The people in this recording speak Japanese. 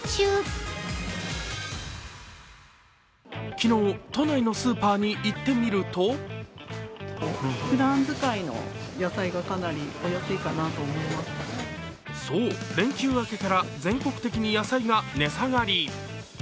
昨日、都内のスーパーに行ってみるとそう、連休明けから全国的に野菜が値下がり。